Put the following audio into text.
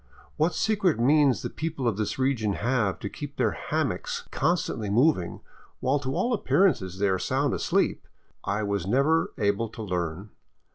What secret means the people of this region have to keep their hammocks con stantly moving, while to all appearances they are sound asleep, I was never able to learn.